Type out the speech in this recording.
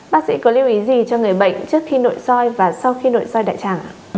bác sĩ có lưu ý gì cho người bệnh trước khi nội soi và sau khi nội soi đại tràng